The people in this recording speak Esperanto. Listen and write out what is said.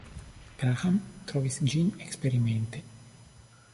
Graham trovis ĝin eksperimente.